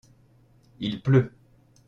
il pleut.